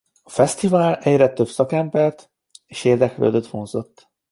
A fesztivál egyre több szakembert és érdeklődőt vonzott.